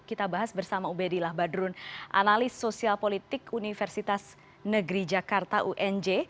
kita bahas bersama ubedillah badrun analis sosial politik universitas negeri jakarta unj